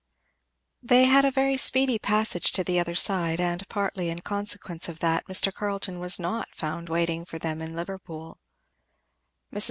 They had a very speedy passage to the other side, and partly in consequence of that Mr. Carleton was not found waiting for them in Liverpool.